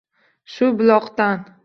Shu buloqdan